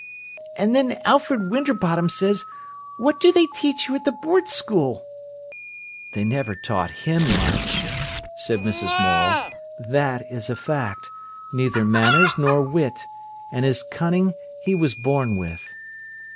"An' then Alfred Winterbottom says, 'What do they teach you at the Board school?'" "They never taught him much," said Mrs. Morel, "that is a fact—neither manners nor wit—and his cunning he was born with."